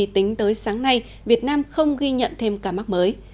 tính tới sáng nay việt nam không ghi nhận thêm ca mắc mới